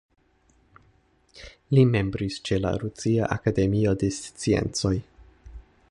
Li membris ĉe la Rusia Akademio de Sciencoj.